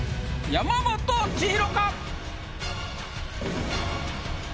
山本千尋！